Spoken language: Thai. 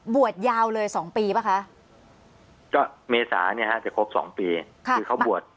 บวชยาวเลยสองปีป่ะคะก็เมษานี้ฮะจะครบสองปีค่ะ